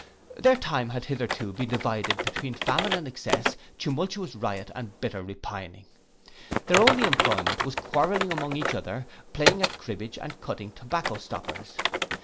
Their time had hitherto been divided between famine and excess, tumultous riot and bitter repining. Their only employment was quarrelling among each other, playing at cribbage, and cutting tobacco stoppers.